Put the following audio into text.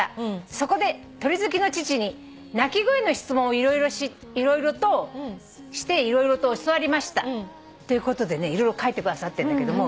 「そこで鳥好きの父に鳴き声の質問をして色々と教わりました」ということでね色々書いてくださってんだけど。